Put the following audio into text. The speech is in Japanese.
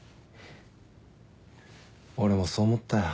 俺もそう思ったよ。